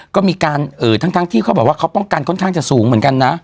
ก็มีการทั้งที่เขาบอกว่าเขาป้องกันค่อนข้างจะสูงเหมือนกันนะ